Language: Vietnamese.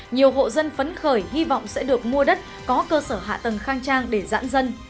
nhiều hộ dân phấn khởi hy vọng sẽ được mua đất có cơ sở hạ tầng khang trang để giãn dân